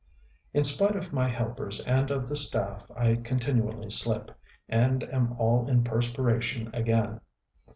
In spite of my helpers and of the staff, I continually slip, and am all in perspiration again.